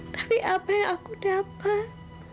tapi apa yang aku dapat